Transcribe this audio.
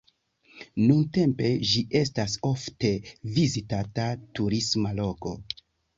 Nuntempe ĝi estas ofte vizitata turisma loko.